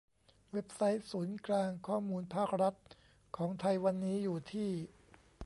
เว็บไซต์ศูนย์กลางข้อมูลภาครัฐของไทยวันนี้อยู่ที่